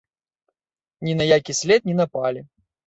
Ні на які след не напалі.